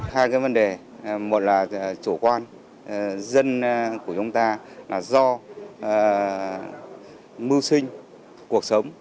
hai cái vấn đề một là chủ quan dân của chúng ta là do mưu sinh cuộc sống